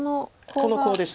このコウです。